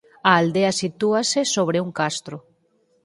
A aldea sitúase sobre un castro.